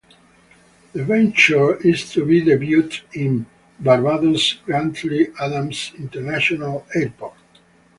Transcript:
The venture is to be debuted in Barbados' Grantley Adams International Airport.